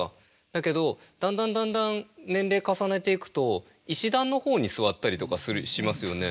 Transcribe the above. だけどだんだんだんだん年齢重ねていくと石段の方に座ったりとかしますよね。